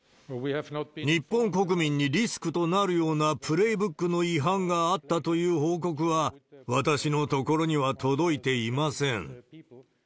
日本国民にリスクとなるようなプレーブックの違反があったという報告は、私のところには届いていません。